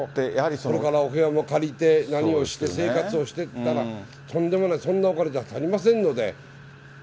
これからお部屋借りて、何をして、生活をしてったら、とんでもない、そんなお金じゃ足りませんので。